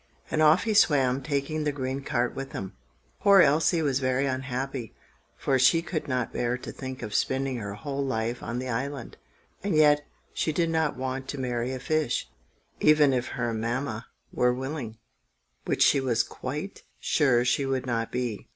And off he swam, taking the green cart with him. Poor Elsie was very unhappy, for she could not bear to think of spending her whole life on the island, and yet she did not want to marry a fish, even if her Mamma were willing, which she was quite sure she would not be.